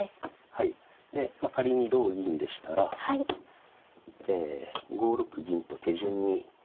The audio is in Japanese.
はいで仮に同銀でしたら５六銀と手順に。